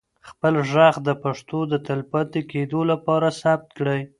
خپل ږغ د پښتو د تلپاتې کېدو لپاره ثبت کړئ.